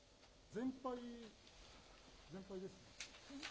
全敗、全敗ですね。